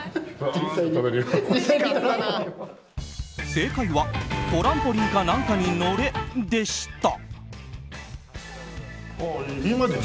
正解はトランポリンか何かに乗れでした。